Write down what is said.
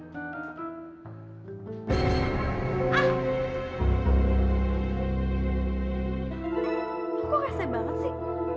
kok kese banget sih